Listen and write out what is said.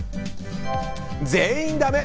全員だめ！